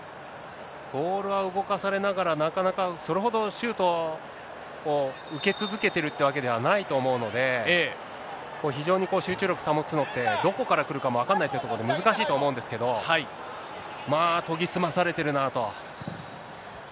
ボールは動かされながら、なかなかそれほどシュートを受け続けてるってわけではないと思うので、非常に集中力保つのって、どこから来るかも分かんないというところ、難しいとは思うんですけど、まあ、研ぎ澄まされてるなと。